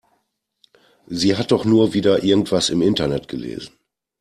Sie hat doch nur wieder irgendwas im Internet gelesen.